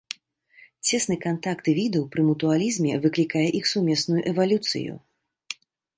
Цесны кантакт відаў пры мутуалізме выклікае іх сумесную эвалюцыю.